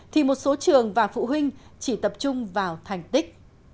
thì một số trường và phụ huynh chỉ tập trung vào thành tích